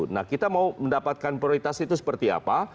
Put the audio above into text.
nah kita mau mendapatkan prioritas itu seperti apa